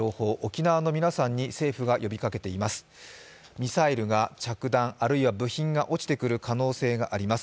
ミサイルが着弾、あるいは部品が落ちてくる可能性があります。